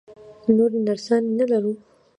نورې نرسانې نه لرو؟